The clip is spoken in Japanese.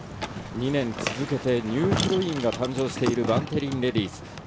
２年続けてニューヒロインが誕生している、バンテリンレディスオープン。